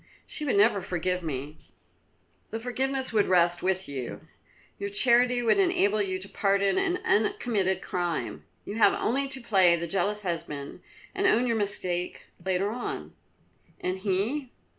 "She would never forgive me." "The forgiveness would rest with you. Your charity would enable you to pardon an uncommitted crime. You have only to play the jealous husband and own your mistake later on." "And he?"